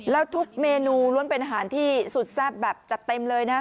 แล้วทุกเมนูล้วนเป็นอาหารที่สุดแซ่บแบบจัดเต็มเลยนะ